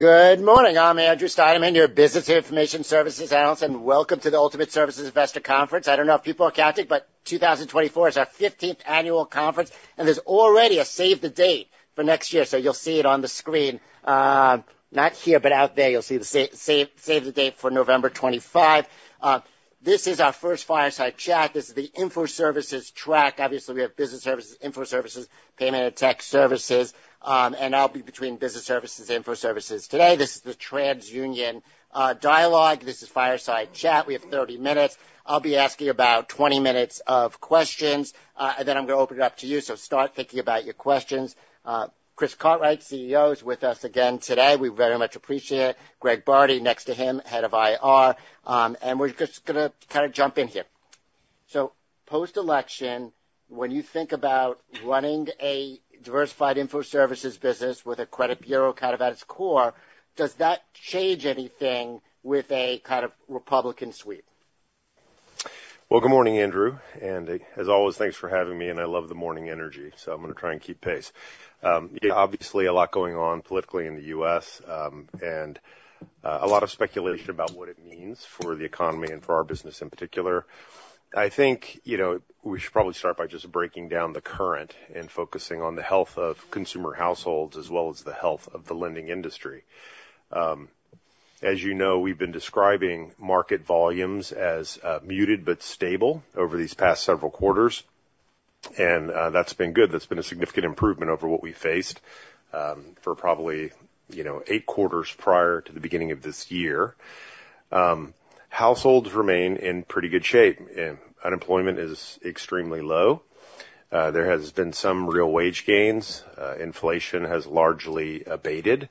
Good morning. I'm Andrew Steinerman, your Business Information Services Analyst, and welcome to the Ultimate Services Investor Conference. I don't know if people are counting, but 2024 is our 15th annual conference, and there's already a save-the-date for next year, so you'll see it on the screen. Not here, but out there, you'll see the save-the-date for November 25. This is our first fireside chat. This is the Info Services Track. Obviously, we have Business Services, Info Services, Payment and Tech Services, and I'll be between Business Services and Info Services today. This is the TransUnion Dialogue. This is fireside chat. We have 30 minutes. I'll be asking about 20 minutes of questions, and then I'm going to open it up to you, so start thinking about your questions. Chris Cartwright, CEO, is with us again today. We very much appreciate it. Greg Bardi, next to him, Head of IR. And we're just going to kind of jump in here. So, post-election, when you think about running a diversified Info Services business with a credit bureau kind of at its core, does that change anything with a kind of Republican sweep? Well, good morning, Andrew. And as always, thanks for having me, and I love the morning energy, so I'm going to try and keep pace. Obviously, a lot going on politically in the U.S., and a lot of speculation about what it means for the economy and for our business in particular. I think, you know, we should probably start by just breaking down the current and focusing on the health of consumer households as well as the health of the lending industry. As you know, we've been describing market volumes as muted but stable over these past several quarters, and that's been good. That's been a significant improvement over what we faced, for probably, you know, eight quarters prior to the beginning of this year. Households remain in pretty good shape, and unemployment is extremely low. There has been some real wage gains. Inflation has largely abated,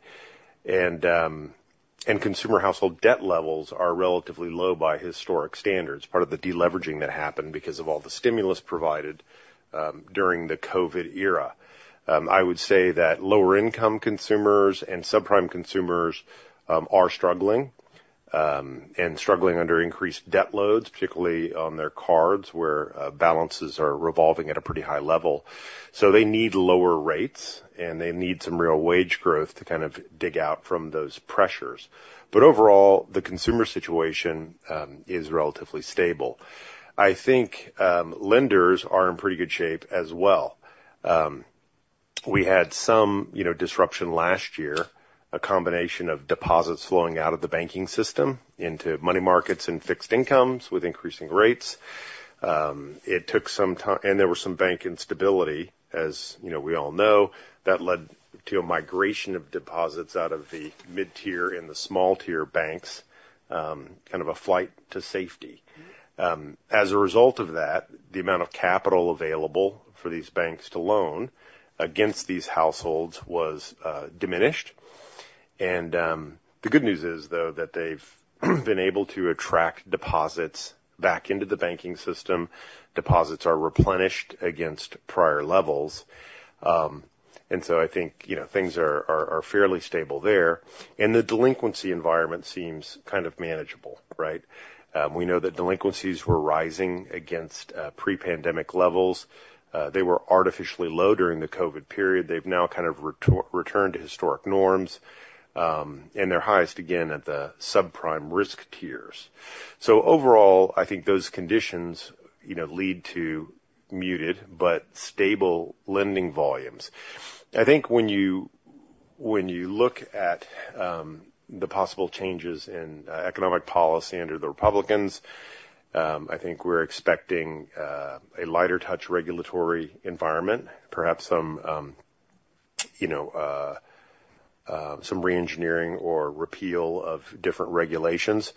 and consumer household debt levels are relatively low by historic standards, part of the deleveraging that happened because of all the stimulus provided during the COVID era. I would say that lower-income consumers and subprime consumers are struggling under increased debt loads, particularly on their cards, where balances are revolving at a pretty high level. So they need lower rates, and they need some real wage growth to kind of dig out from those pressures. But overall, the consumer situation is relatively stable. I think lenders are in pretty good shape as well. We had some, you know, disruption last year, a combination of deposits flowing out of the banking system into money markets and fixed incomes with increasing rates. It took some time, and there was some bank instability, as you know, we all know, that led to a migration of deposits out of the mid-tier and the small-tier banks, kind of a flight to safety. As a result of that, the amount of capital available for these banks to loan against these households was diminished. The good news is, though, that they've been able to attract deposits back into the banking system. Deposits are replenished against prior levels. So I think, you know, things are fairly stable there. The delinquency environment seems kind of manageable, right? We know that delinquencies were rising against pre-pandemic levels. They were artificially low during the COVID period. They've now kind of returned to historic norms, and they're highest again at the subprime risk tiers. So overall, I think those conditions, you know, lead to muted but stable lending volumes. I think when you look at the possible changes in economic policy under the Republicans, I think we're expecting a lighter-touch regulatory environment, perhaps some, you know, some re-engineering or repeal of different regulations.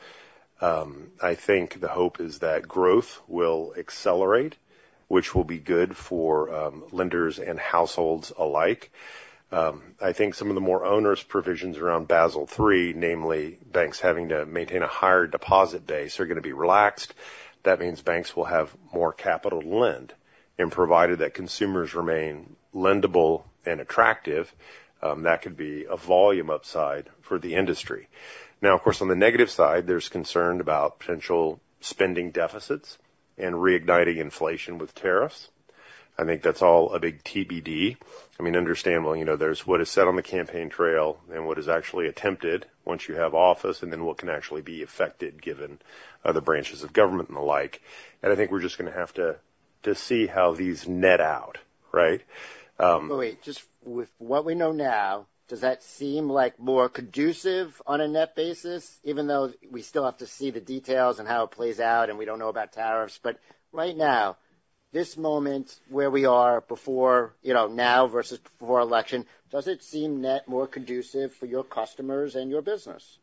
I think the hope is that growth will accelerate, which will be good for lenders and households alike. I think some of the more onerous provisions around Basel III, namely banks having to maintain a higher deposit base, are going to be relaxed. That means banks will have more capital to lend. And provided that consumers remain lendable and attractive, that could be a volume upside for the industry. Now, of course, on the negative side, there's concern about potential spending deficits and reigniting inflation with tariffs. I think that's all a big TBD. I mean, understandable, you know, there's what is set on the campaign trail and what is actually attempted once you have office, and then what can actually be affected given other branches of government and the like, and I think we're just going to have to see how these net out, right? Well, wait, just with what we know now, does that seem like more conducive on a net basis, even though we still have to see the details and how it plays out and we don't know about tariffs? But right now, this moment where we are before, you know, now versus before election, does it seem net more conducive for your customers and your business?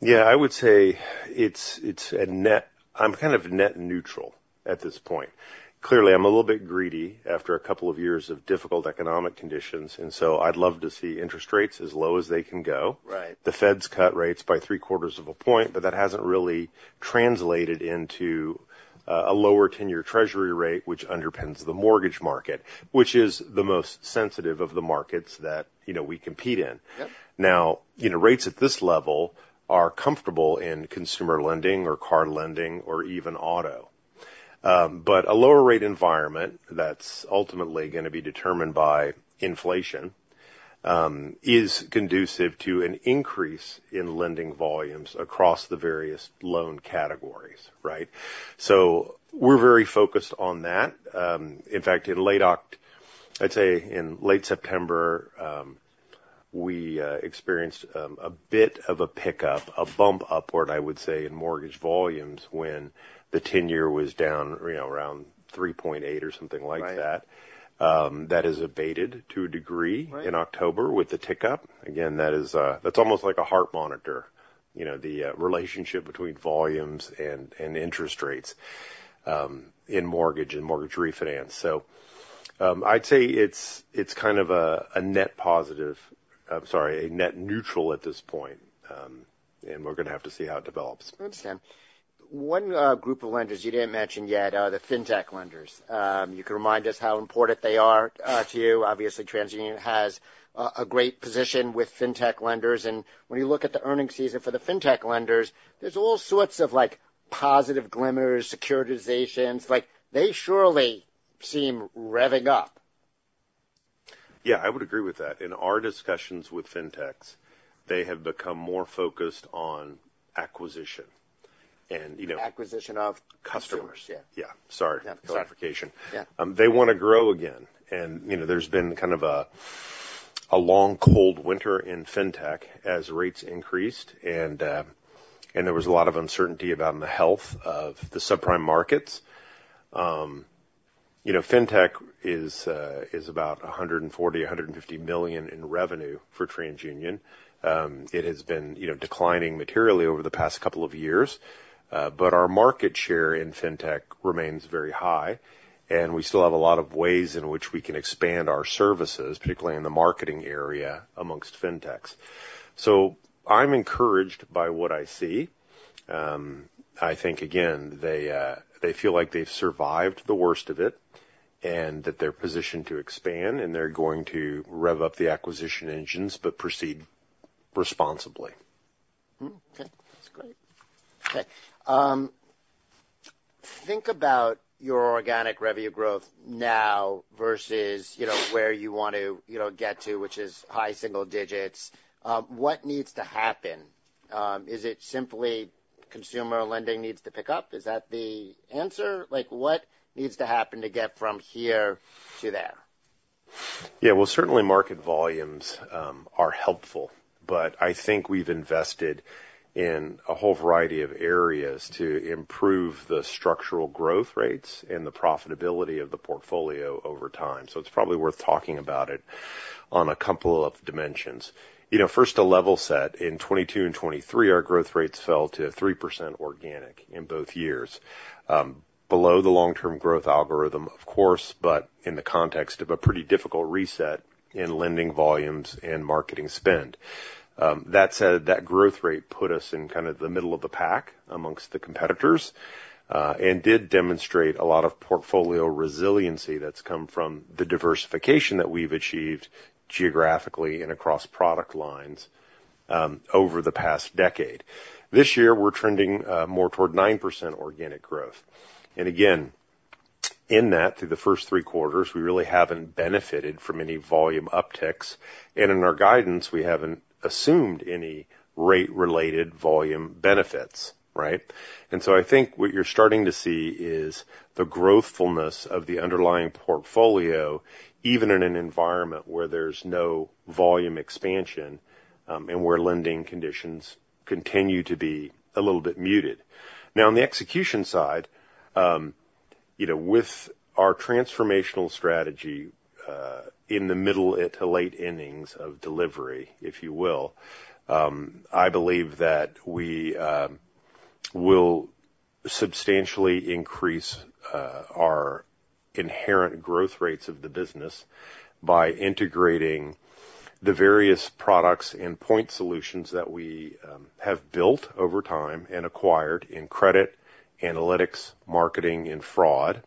Yeah, I would say it's a net. I'm kind of net neutral at this point. Clearly, I'm a little bit greedy after a couple of years of difficult economic conditions, and so I'd love to see interest rates as low as they can go. Right. The Fed's cut rates by 3/4 of a point, but that hasn't really translated into a lower 10-year Treasury rate, which underpins the mortgage market, which is the most sensitive of the markets that, you know, we compete in. Yep. Now, you know, rates at this level are comfortable in consumer lending or car lending or even auto. But a lower-rate environment that's ultimately going to be determined by inflation is conducive to an increase in lending volumes across the various loan categories, right? So we're very focused on that. In fact, in late October, I'd say in late September, we experienced a bit of a pickup, a bump upward, I would say, in mortgage volumes when the 10-year was down, you know, around 3.8 or something like that. Right. That has abated to a degree in October with the tick up. Again, that is, that's almost like a heart monitor, you know, the relationship between volumes and interest rates in mortgage and mortgage refinance. So, I'd say it's kind of a net positive, I'm sorry, a net neutral at this point, and we're going to have to see how it develops. Understand. One group of lenders you didn't mention yet are the fintech lenders. You can remind us how important they are to you. Obviously, TransUnion has a great position with fintech lenders, and when you look at the earnings season for the fintech lenders, there's all sorts of, like, positive glimmers, securitizations. Like, they surely seem revving up. Yeah, I would agree with that. In our discussions with fintechs, they have become more focused on acquisition and, you know. Acquisition of customers. Customers. Yeah. Yeah. Sorry. Yeah. Clarification. Yeah. They want to grow again. And, you know, there's been kind of a long cold winter in fintech as rates increased, and there was a lot of uncertainty about the health of the subprime markets. You know, fintech is about $140 million-$150 million in revenue for TransUnion. It has been, you know, declining materially over the past couple of years. But our market share in fintech remains very high, and we still have a lot of ways in which we can expand our services, particularly in the marketing area among fintechs. So I'm encouraged by what I see. I think, again, they feel like they've survived the worst of it and that they're positioned to expand, and they're going to rev up the acquisition engines, but proceed responsibly. Okay. That's great. Okay. Think about your organic revenue growth now versus, you know, where you want to, you know, get to, which is high single digits. What needs to happen? Is it simply consumer lending needs to pick up? Is that the answer? Like, what needs to happen to get from here to there? Yeah, well, certainly market volumes are helpful, but I think we've invested in a whole variety of areas to improve the structural growth rates and the profitability of the portfolio over time. So it's probably worth talking about it on a couple of dimensions. You know, first, a level set. In 2022 and 2023, our growth rates fell to 3% organic in both years. Below the long-term growth algorithm, of course, but in the context of a pretty difficult reset in lending volumes and marketing spend. That said, that growth rate put us in kind of the middle of the pack amongst the competitors, and did demonstrate a lot of portfolio resiliency that's come from the diversification that we've achieved geographically and across product lines, over the past decade. This year, we're trending more toward 9% organic growth. And again, in that, through the first three quarters, we really haven't benefited from any volume upticks. And in our guidance, we haven't assumed any rate-related volume benefits, right? And so I think what you're starting to see is the growthfulness of the underlying portfolio, even in an environment where there's no volume expansion, and where lending conditions continue to be a little bit muted. Now, on the execution side, you know, with our transformational strategy, in the middle to late innings of delivery, if you will, I believe that we will substantially increase our inherent growth rates of the business by integrating the various products and point solutions that we have built over time and acquired in credit, analytics, marketing, and fraud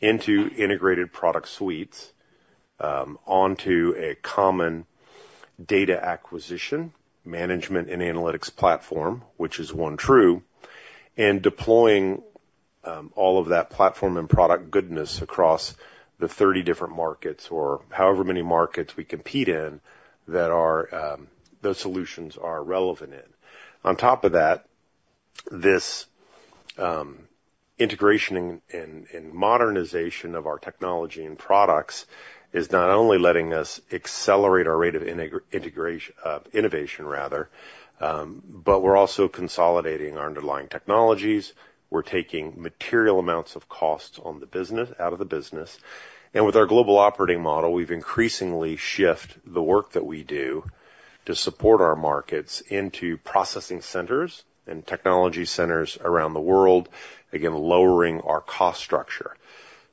into integrated product suites, onto a common data acquisition management and analytics platform, which is OneTru, and deploying all of that platform and product goodness across the 30 different markets or however many markets we compete in that are those solutions are relevant in. On top of that, this integration and modernization of our technology and products is not only letting us accelerate our rate of innovation, rather, but we're also consolidating our underlying technologies. We're taking material amounts of costs on the business out of the business. With our global operating model, we've increasingly shifted the work that we do to support our markets into processing centers and technology centers around the world, again, lowering our cost structure.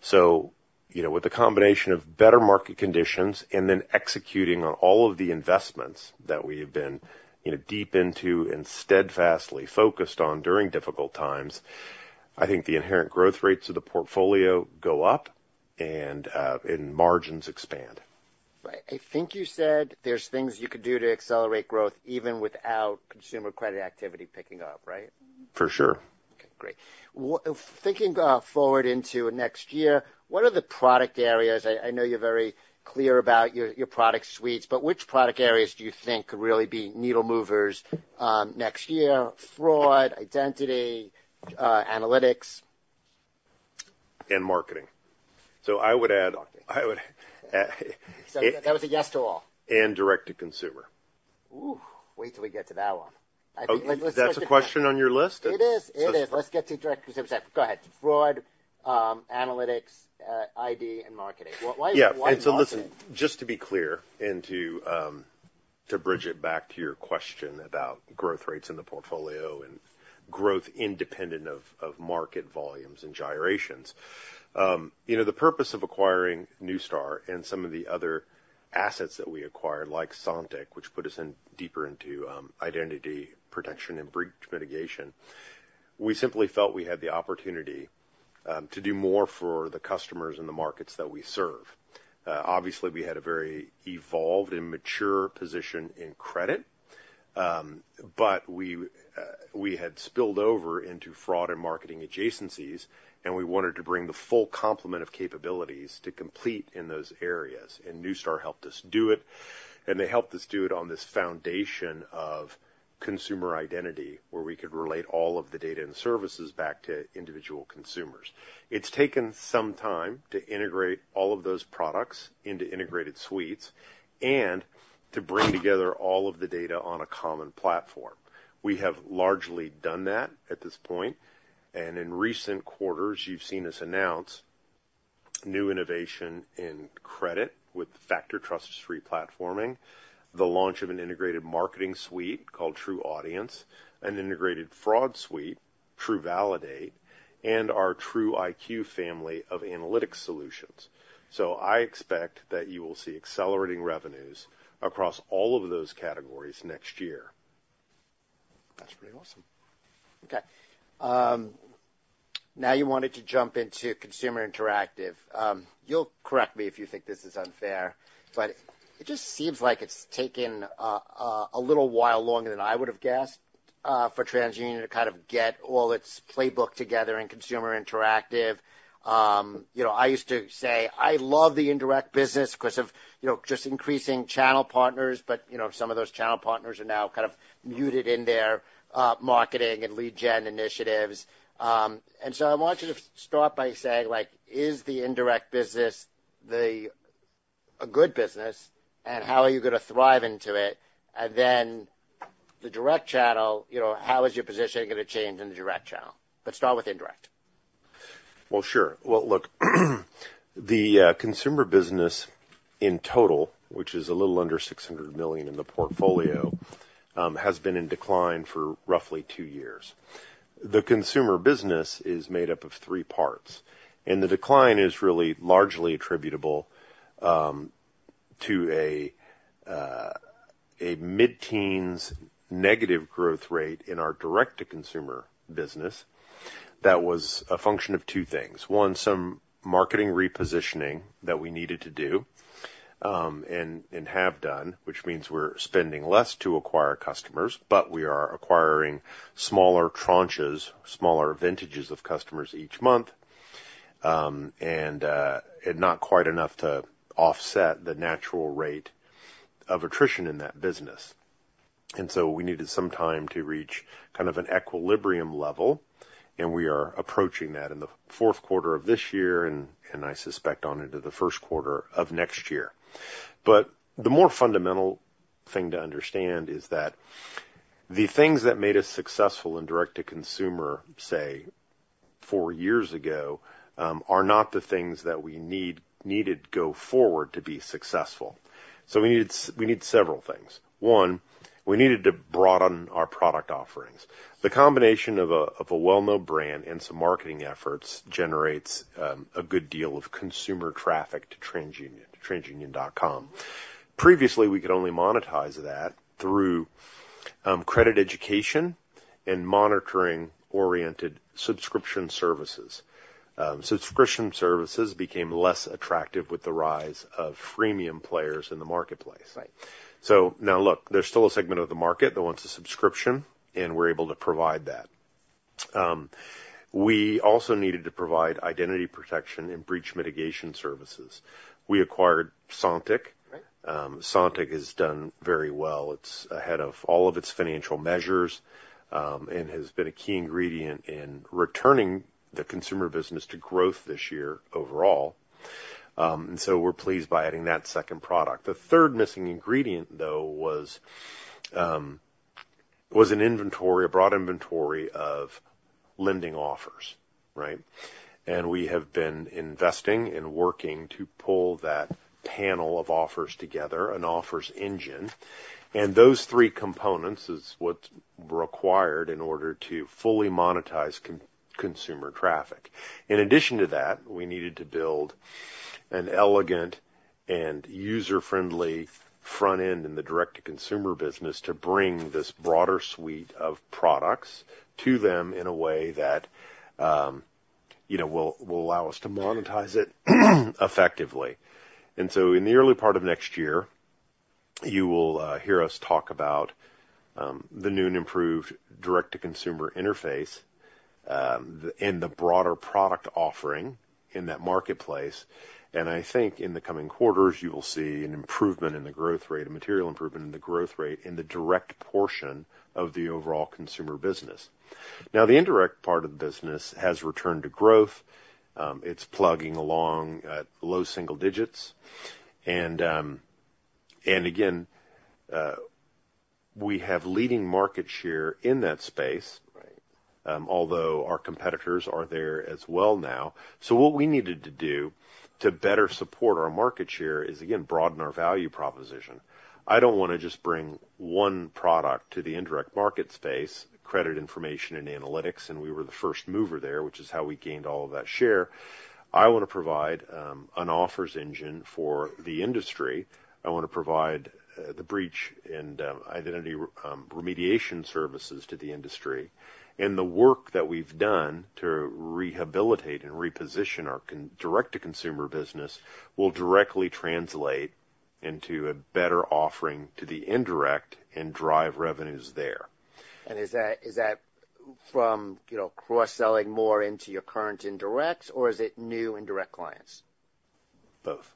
So, you know, with the combination of better market conditions and then executing on all of the investments that we have been, you know, deep into and steadfastly focused on during difficult times, I think the inherent growth rates of the portfolio go up and margins expand. Right. I think you said there's things you could do to accelerate growth even without consumer credit activity picking up, right? For sure. Okay. Great. Well, thinking forward into next year, what are the product areas? I, I know you're very clear about your, your product suites, but which product areas do you think could really be needle movers next year? Fraud, identity, analytics. And marketing. So I would add. Marketing. I would add. So that was a yes to all. And direct-to-consumer. Ooh. Wait till we get to that one. I think. That's a question on your list? It is. It is. Let's get to direct-to-consumer. Go ahead. Fraud, analytics, ID, and marketing. Why, why? Yeah. And so listen, just to be clear and to bridge it back to your question about growth rates in the portfolio and growth independent of market volumes and gyrations, you know, the purpose of acquiring Neustar and some of the other assets that we acquired, like Sontiq, which put us in deeper into identity protection and breach mitigation, we simply felt we had the opportunity to do more for the customers and the markets that we serve. Obviously, we had a very evolved and mature position in credit, but we had spilled over into fraud and marketing adjacencies, and we wanted to bring the full complement of capabilities to complete in those areas. And Neustar helped us do it, and they helped us do it on this foundation of consumer identity where we could relate all of the data and services back to individual consumers. It's taken some time to integrate all of those products into integrated suites and to bring together all of the data on a common platform. We have largely done that at this point. And in recent quarters, you've seen us announce new innovation in credit with Factor Trust re-platforming, the launch of an integrated marketing suite called TruAudience, an integrated fraud suite, TruValidate, and our TrueIQ family of analytics solutions. So I expect that you will see accelerating revenues across all of those categories next year. That's pretty awesome. Okay. Now you wanted to jump into Consumer Interactive. You'll correct me if you think this is unfair, but it just seems like it's taken a little while longer than I would have guessed for TransUnion to kind of get all its playbook together in Consumer Interactive. You know, I used to say, "I love the indirect business because of you know, just increasing channel partners," but you know, some of those channel partners are now kind of muted in their marketing and lead gen initiatives. And so I want you to start by saying, like, is the indirect business a good business? And how are you going to thrive into it? And then the direct channel, you know, how is your position going to change in the direct channel? But start with indirect. Well, sure. Well, look, the consumer business in total, which is a little under $600 million in the portfolio, has been in decline for roughly two years. The consumer business is made up of three parts, and the decline is really largely attributable to a mid-teens negative growth rate in our direct-to-consumer business that was a function of two things. One, some marketing repositioning that we needed to do, and have done, which means we're spending less to acquire customers, but we are acquiring smaller tranches, smaller vintages of customers each month, and not quite enough to offset the natural rate of attrition in that business. And so we needed some time to reach kind of an equilibrium level, and we are approaching that in the fourth quarter of this year, and I suspect on into the first quarter of next year. But the more fundamental thing to understand is that the things that made us successful in direct-to-consumer, say, four years ago, are not the things that we needed to go forward to be successful. So we needed several things. One, we needed to broaden our product offerings. The combination of a well-known brand and some marketing efforts generates a good deal of consumer traffic to TransUnion, to transUnion.com. Previously, we could only monetize that through credit education and monitoring-oriented subscription services. Subscription services became less attractive with the rise of freemium players in the marketplace. Right. So now, look, there's still a segment of the market that wants a subscription, and we're able to provide that. We also needed to provide identity protection and breach mitigation services. We acquired Sontiq. Right. Sontiq has done very well. It's ahead of all of its financial measures, and has been a key ingredient in returning the consumer business to growth this year overall, and so we're pleased by adding that second product. The third missing ingredient, though, was an inventory, a broad inventory of lending offers, right? And we have been investing and working to pull that panel of offers together, an offers engine. And those three components is what's required in order to fully monetize consumer traffic. In addition to that, we needed to build an elegant and user-friendly front end in the direct-to-consumer business to bring this broader suite of products to them in a way that, you know, will allow us to monetize it effectively. And so in the early part of next year, you will hear us talk about the new and improved direct-to-consumer interface, and the broader product offering in that marketplace. And I think in the coming quarters, you will see an improvement in the growth rate and material improvement in the growth rate in the direct portion of the overall consumer business. Now, the indirect part of the business has returned to growth. It's plugging along at low single digits. And again, we have leading market share in that space. Right. Although our competitors are there as well now. So what we needed to do to better support our market share is, again, broaden our value proposition. I don't want to just bring one product to the indirect market space, credit information, and analytics, and we were the first mover there, which is how we gained all of that share. I want to provide an offers engine for the industry. I want to provide the breach and identity remediation services to the industry, and the work that we've done to rehabilitate and reposition our direct-to-consumer business will directly translate into a better offering to the indirect and drive revenues there. And is that, is that from, you know, cross-selling more into your current indirect, or is it new indirect clients? Both.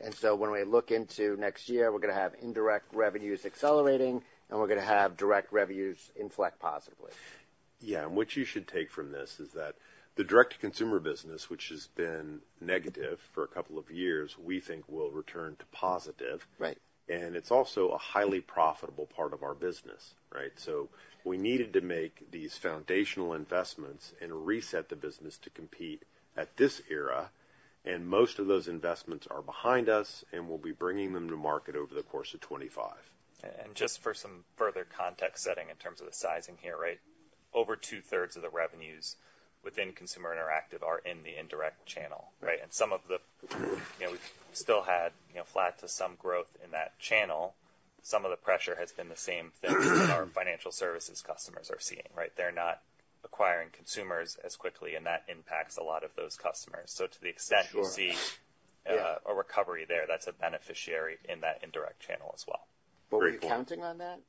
And so when we look into next year, we're going to have indirect revenues accelerating, and we're going to have direct revenues inflect positively. Yeah, and what you should take from this is that the direct-to-consumer business, which has been negative for a couple of years, we think will return to positive. Right. And it's also a highly profitable part of our business, right? So we needed to make these foundational investments and reset the business to compete at this era. And most of those investments are behind us, and we'll be bringing them to market over the course of 2025. And just for some further context setting in terms of the sizing here, right? Over two-thirds of the revenues within Consumer Interactive are in the indirect channel, right? And some of the, you know, we've still had, you know, flat to some growth in that channel. Some of the pressure has been the same thing that our financial services customers are seeing, right? They're not acquiring consumers as quickly, and that impacts a lot of those customers. So to the extent you see, a recovery there, that's a beneficiary in that indirect channel as well. Were you counting on that?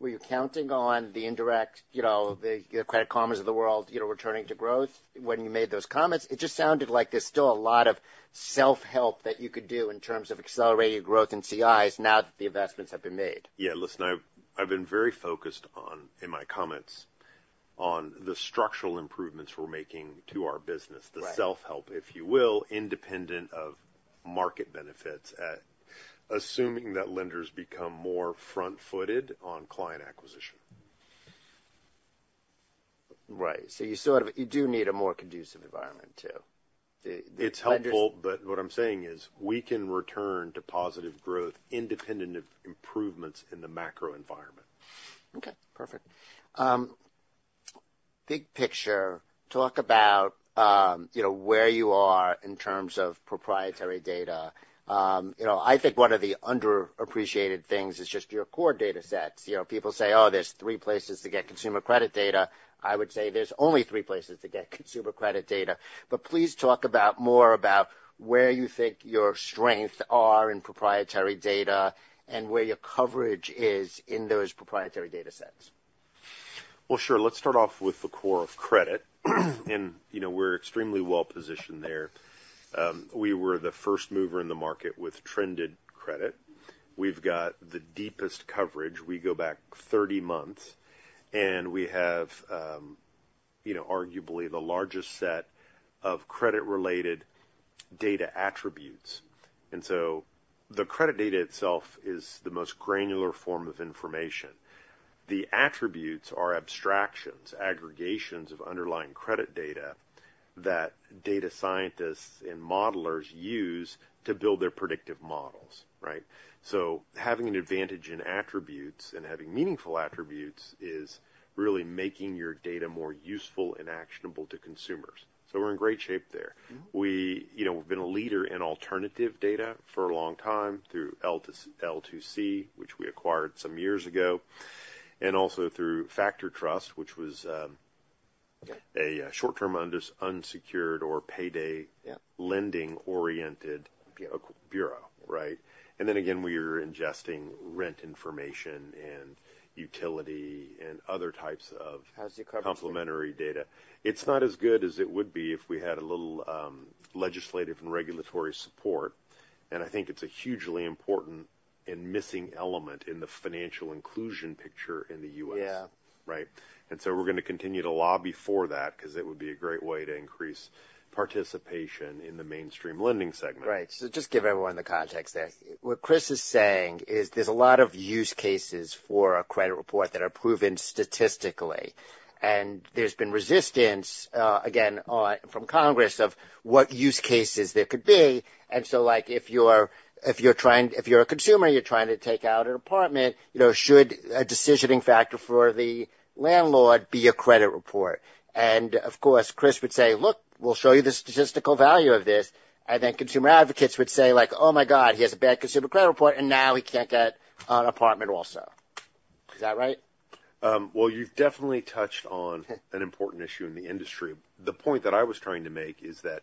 Were you counting on the indirect, you know, the Credit Karmas of the world, you know, returning to growth when you made those comments? It just sounded like there's still a lot of self-help that you could do in terms of accelerating growth in CIs now that the investments have been made. Yeah. Listen, I've been very focused on, in my comments, on the structural improvements we're making to our business. Right. The self-help, if you will, independent of market benefits absent assuming that lenders become more front-footed on client acquisition. Right. So you sort of, you do need a more conducive environment too. It's helpful, but what I'm saying is we can return to positive growth independent of improvements in the macro environment. Okay. Perfect. Big picture, talk about, you know, where you are in terms of proprietary data. You know, I think one of the underappreciated things is just your core data sets. You know, people say, "Oh, there's three places to get consumer credit data." I would say there's only three places to get consumer credit data. But please talk about more about where you think your strengths are in proprietary data and where your coverage is in those proprietary data sets. Well, sure. Let's start off with the core of credit. And, you know, we're extremely well-positioned there. We were the first mover in the market with trended credit. We've got the deepest coverage. We go back 30 months, and we have, you know, arguably the largest set of credit-related data attributes. And so the credit data itself is the most granular form of information. The attributes are abstractions, aggregations of underlying credit data that data scientists and modelers use to build their predictive models, right? So having an advantage in attributes and having meaningful attributes is really making your data more useful and actionable to consumers. So we're in great shape there. We, you know, we've been a leader in alternative data for a long time through L2C, which we acquired some years ago, and also through Factor Trust, which was a short-term unsecured or payday lending-oriented bureau, right? And then again, we are ingesting rent information and utility and other types of complementary data. It's not as good as it would be if we had a little legislative and regulatory support, and I think it's a hugely important and missing element in the financial inclusion picture in the U.S. Yeah. Right? And so we're going to continue to lobby for that because it would be a great way to increase participation in the mainstream lending segment. Right, so just give everyone the context there. What Chris is saying is there's a lot of use cases for a credit report that are proven statistically, and there's been resistance, again, from Congress of what use cases there could be, and so, like, if you're a consumer, you're trying to take out an apartment, you know, should a decisioning factor for the landlord be a credit report? And of course, Chris would say, "Look, we'll show you the statistical value of this," and then consumer advocates would say, like, "Oh my God, he has a bad consumer credit report, and now he can't get an apartment also." Is that right? Well, you've definitely touched on an important issue in the industry. The point that I was trying to make is that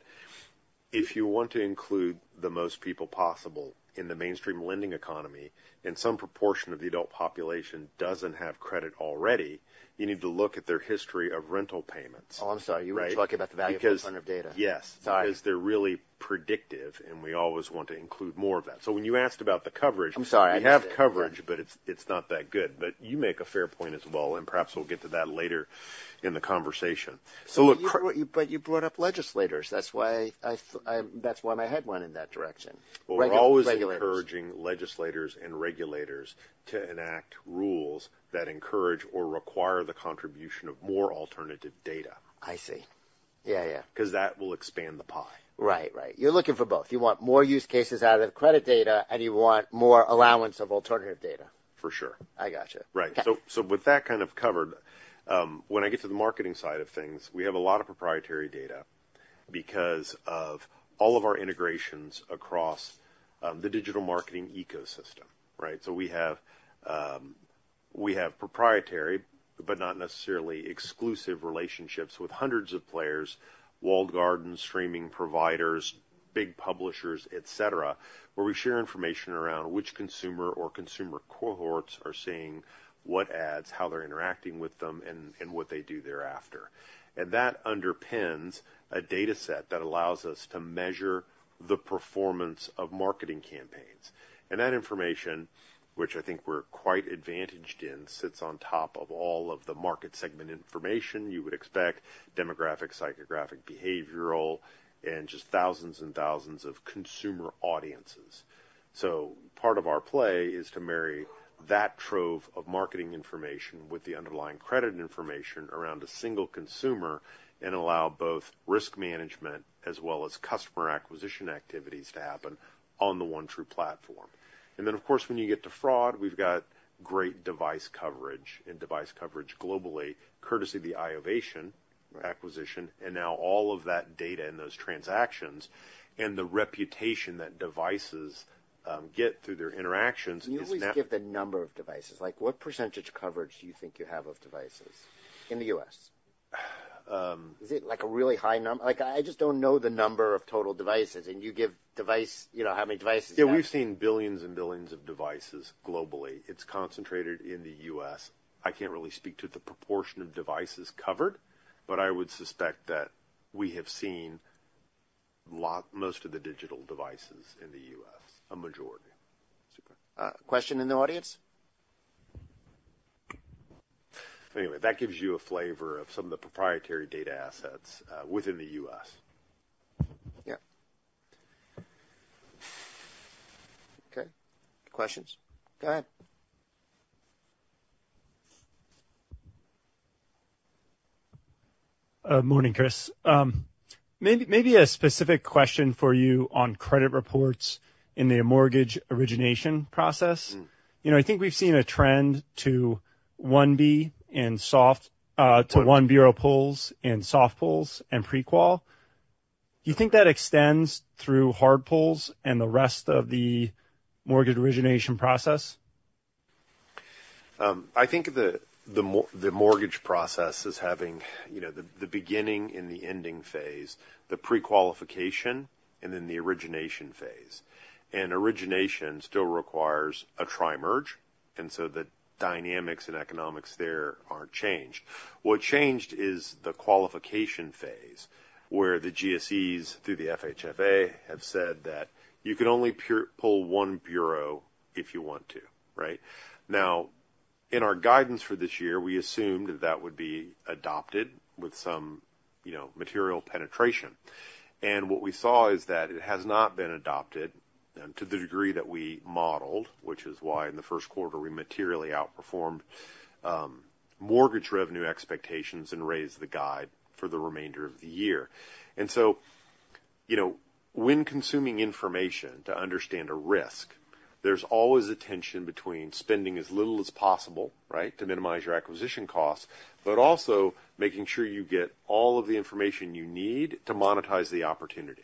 if you want to include the most people possible in the mainstream lending economy and some proportion of the adult population doesn't have credit already, you need to look at their history of rental payments. Oh, I'm sorry. You weren't talking about the value of that kind of data. Because, yes, because they're really predictive, and we always want to include more of that. So when you asked about the coverage. I'm sorry. We have coverage, but it's not that good. But you make a fair point as well, and perhaps we'll get to that later in the conversation. So look. But you brought up legislators. That's why I, that's why my head went in that direction. We're always encouraging legislators and regulators to enact rules that encourage or require the contribution of more alternative data. I see. Yeah, yeah. Because that will expand the pie. Right, right. You're looking for both. You want more use cases out of credit data, and you want more allowance of alternative data. For sure. I gotcha. Right. So with that kind of covered, when I get to the marketing side of things, we have a lot of proprietary data because of all of our integrations across the digital marketing ecosystem, right? So we have proprietary, but not necessarily exclusive relationships with hundreds of players, walled garden, streaming providers, big publishers, etc., where we share information around which consumer cohorts are seeing what ads, how they're interacting with them, and what they do thereafter. And that underpins a data set that allows us to measure the performance of marketing campaigns. And that information, which I think we're quite advantaged in, sits on top of all of the market segment information you would expect: demographic, psychographic, behavioral, and just thousands and thousands of consumer audiences. Part of our play is to marry that trove of marketing information with the underlying credit information around a single consumer and allow both risk management as well as customer acquisition activities to happen on the one true platform. And then, of course, when you get to fraud, we've got great device coverage and device coverage globally, courtesy of the Iovation acquisition, and now all of that data and those transactions and the reputation that devices get through their interactions is now. Can we just give the number of devices? Like, what percentage coverage do you think you have of devices in the U.S.? Is it like a really high number? Like, I just don't know the number of total devices, and you give device, you know, how many devices? Yeah, we've seen billions and billions of devices globally. It's concentrated in the U.S. I can't really speak to the proportion of devices covered, but I would suspect that we have seen a lot, most of the digital devices in the U.S., a majority. Super. Question in the audience? Anyway, that gives you a flavor of some of the proprietary data assets, within the U.S. Yeah. Okay. Questions? Go ahead. Morning, Chris. Maybe, maybe a specific question for you on credit reports in the mortgage origination process. You know, I think we've seen a trend to one-bureau and soft pulls, to one-bureau pulls and soft pulls and pre-qual. Do you think that extends through hard pulls and the rest of the mortgage origination process? I think the mortgage process is having, you know, the beginning and the ending phase, the pre-qualification, and then the origination phase, and origination still requires a tri-merge, and so the dynamics and economics there aren't changed. What changed is the qualification phase where the GSEs through the FHFA have said that you can only pull one bureau if you want to, right? Now, in our guidance for this year, we assumed that that would be adopted with some, you know, material penetration, and what we saw is that it has not been adopted to the degree that we modeled, which is why in the first quarter we materially outperformed mortgage revenue expectations and raised the guide for the remainder of the year. And so, you know, when consuming information to understand a risk, there's always a tension between spending as little as possible, right, to minimize your acquisition costs, but also making sure you get all of the information you need to monetize the opportunity.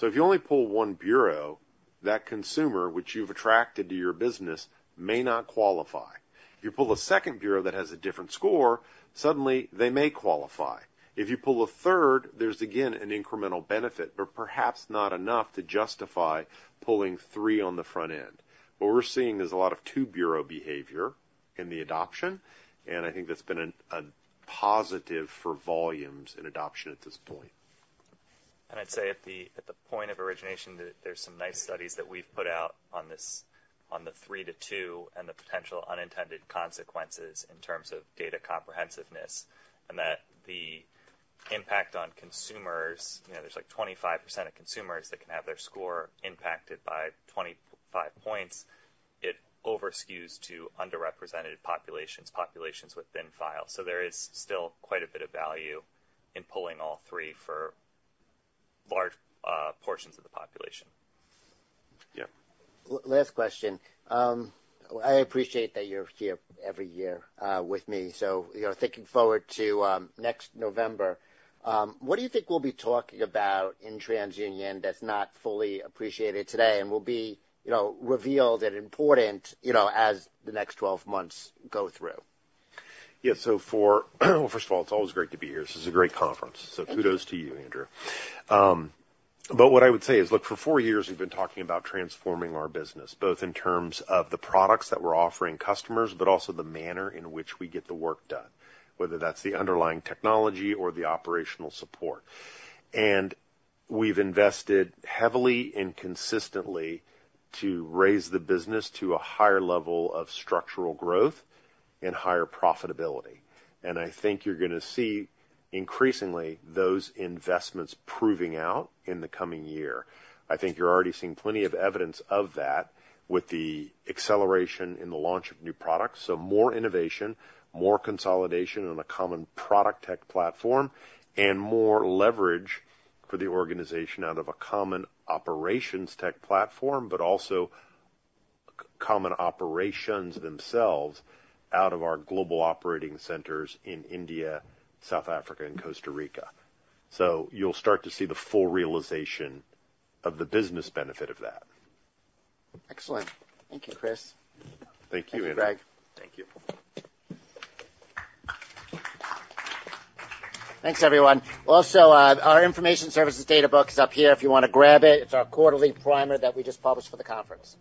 So if you only pull one bureau, that consumer, which you've attracted to your business, may not qualify. If you pull a second bureau that has a different score, suddenly they may qualify. If you pull a third, there's again an incremental benefit, but perhaps not enough to justify pulling three on the front end. What we're seeing is a lot of two bureau behavior in the adoption, and I think that's been a positive for volumes in adoption at this point. I'd say at the point of origination, there's some nice studies that we've put out on this, on the three to two and the potential unintended consequences in terms of data comprehensiveness, and that the impact on consumers. You know, there's like 25% of consumers that can have their score impacted by 25 points. It over-skews to underrepresented populations, populations within file. So there is still quite a bit of value in pulling all three for large portions of the population. Yeah. Last question. I appreciate that you're here every year, with me. So, you know, thinking forward to, next November, what do you think we'll be talking about in TransUnion that's not fully appreciated today and will be, you know, revealed and important, you know, as the next 12 months go through? Yeah. So for, well, first of all, it's always great to be here. This is a great conference. So kudos to you, Andrew. But what I would say is, look, for four years we've been talking about transforming our business, both in terms of the products that we're offering customers, but also the manner in which we get the work done, whether that's the underlying technology or the operational support, and we've invested heavily and consistently to raise the business to a higher level of structural growth and higher profitability, and I think you're going to see increasingly those investments proving out in the coming year. I think you're already seeing plenty of evidence of that with the acceleration in the launch of new products. So more innovation, more consolidation on a common product tech platform, and more leverage for the organization out of a common operations tech platform, but also common operations themselves out of our global operating centers in India, South Africa, and Costa Rica. So you'll start to see the full realization of the business benefit of that. Excellent. Thank you, Chris. Thank you, Andrew. Thanks, Greg. Thank you. Thanks, everyone. Also, our information services data book is up here if you want to grab it. It's our quarterly primer that we just published for the conference.